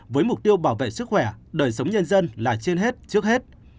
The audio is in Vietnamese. với mục tiêu bảo vệ sức khỏe đời sống nhân dân là trên hết trước hết